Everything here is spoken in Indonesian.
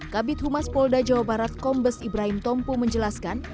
kabit humas polda jawa barat kombes ibrahim tompo menjelaskan